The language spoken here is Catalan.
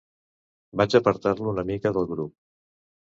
Vaig apartar-lo una mica del grup.